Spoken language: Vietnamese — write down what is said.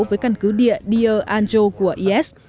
với căn cứ địa deer anjo của is